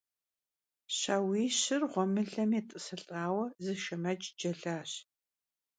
Şauişır ğuemılem yêt'ısılh'aue, zı şşemec celaş.